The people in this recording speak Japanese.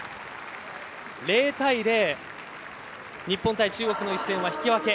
０対０、日本対中国の一戦は引き分け。